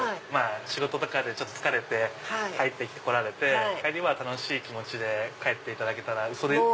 仕事とかでちょっと疲れて入って来られて帰りは楽しい気持ちで帰っていただけたら。